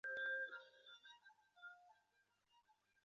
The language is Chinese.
何丽萍是一名中国女子垒球运动员。